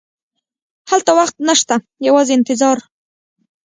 هلته وخت نه شته، یوازې انتظار.